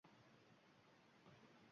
Yana sog'indim, yana!